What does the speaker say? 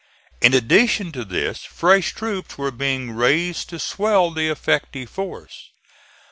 In addition to this fresh troops were being raised to swell the effective force.